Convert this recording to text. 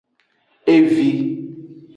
Evi.